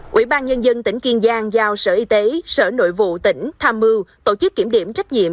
quỹ ban nhân dân tỉnh kiên giang giao sở y tế sở nội vụ tỉnh tham mưu tổ chức kiểm điểm trách nhiệm